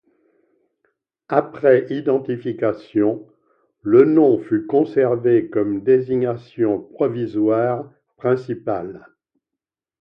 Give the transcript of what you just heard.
Après identification, le nom fut conservé comme désignation provisoire principale.